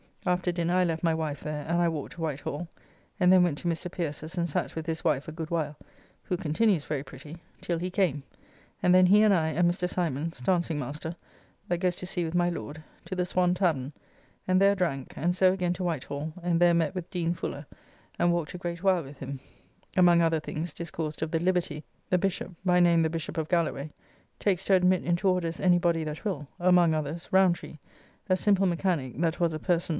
After dinner I left my wife there, and I walked to Whitehall, and then went to Mr. Pierce's and sat with his wife a good while (who continues very pretty) till he came, and then he and I, and Mr. Symons (dancing master), that goes to sea with my Lord, to the Swan tavern, and there drank, and so again to White Hall, and there met with Dean Fuller, and walked a great while with him; among other things discoursed of the liberty the Bishop (by name the of Galloway) takes to admit into orders any body that will; among others, Roundtree, a simple mechanique that was a person [parson?